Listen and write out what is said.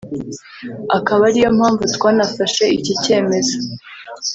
akaba ariyo mpanvu twanafashe iki cyemezo